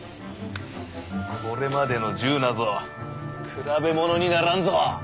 これまでの銃なぞ比べものにならんぞ！